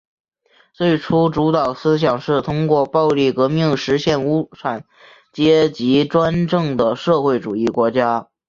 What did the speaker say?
最初主导思想是通过暴力革命实现无产阶级专政的社会主义国家。